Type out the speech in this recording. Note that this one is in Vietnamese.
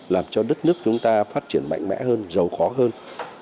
làm cho đất nước chúng ta phát triển mạnh mẽ hơn giàu khó hơn